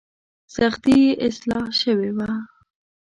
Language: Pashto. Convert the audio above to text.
سختي یې اصلاح شوې وه.